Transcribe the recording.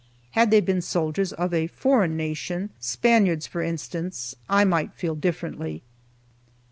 Had they been soldiers of a foreign nation, Spaniards, for instance, I might feel differently.